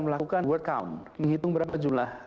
melakukan word count menghitung berapa jumlah